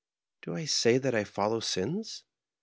Do I say that I follow sins